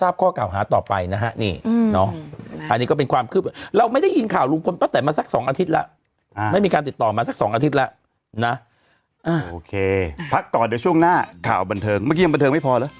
ช่วงหน้าข่าวบันเทิงเมื่อกี๊ยังบันเทิงไม่พอแล้วโอ้โหข่าวบันเทิงนิดหนึ่งค่ะ